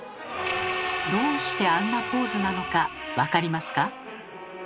どうしてあんなポーズなのかわかりますか？